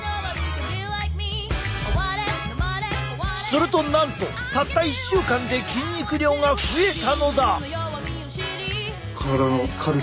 するとなんとたった１週間で筋肉量が増えたのだ！